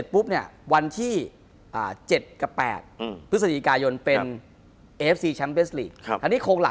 คุณผู้ชมบางท่าอาจจะไม่เข้าใจที่พิเตียร์สาร